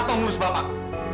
atau ngurus bapak